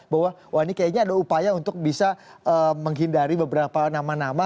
bahwa wah ini kayaknya ada upaya untuk bisa menghindari beberapa nama nama